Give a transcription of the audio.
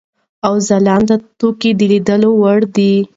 او ځلانده توګه د لیدلو وړ دی.